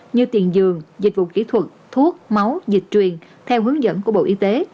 như tiền giường dịch vụ kỹ thuật thuốc máu dịch truyền theo hướng dẫn của bộ y tế